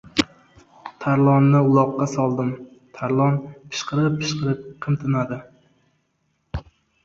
Tarlonni uloqqa soldim. Tarlon pishqirib-pishqirib qimtinadi.